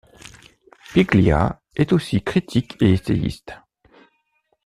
Piglia est aussi critique et essayiste.